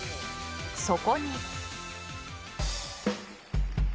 そこに。